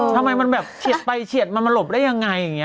ทำไมมันแบบเฉียดไปเฉียดมามาหลบได้ยังไงอย่างนี้